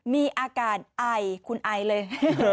มีอาการไอคุณไอเลย